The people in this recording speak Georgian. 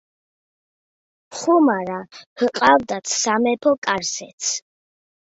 ხუმარა ჰყავდათ სამეფო კარზეც.